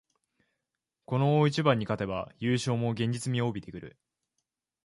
この大一番に勝てば優勝も現実味を帯びてくる